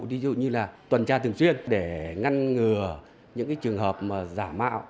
ví dụ như là tuần tra thường xuyên để ngăn ngừa những trường hợp giả mạo